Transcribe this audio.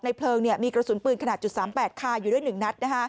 เพลิงมีกระสุนปืนขนาด๓๘คาอยู่ด้วย๑นัด